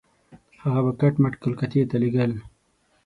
هغه به کټ مټ کلکتې ته لېږل.